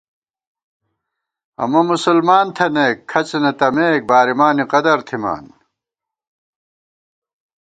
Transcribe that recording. امہ مسلمان تھنَئیک، کھڅ نَتَمېک، بارِمانی قدَرتھِمان